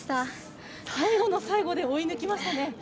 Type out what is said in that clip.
最後の最後で追い抜きましたね。